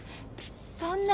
そんな。